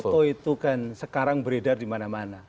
foto itu kan sekarang beredar di mana mana